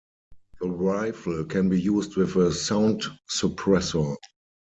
The rifle can be used with a sound suppressor.